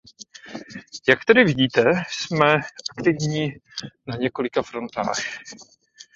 Jak tedy vidíte, jsme aktivní na několika frontách.